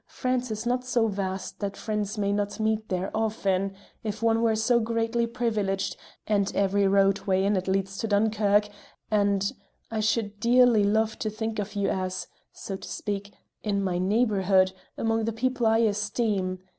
France is not so vast that friends may not meet there often if one were so greatly privileged and every roadway in it leads to Dunkerque and I should dearly love to think of you as, so to speak, in my neighbourhood, among the people I esteem.